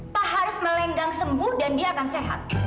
pak harus melenggang sembuh dan dia akan sehat